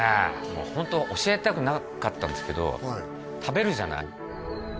もうホント教えたくなかったんですけど食べるじゃない？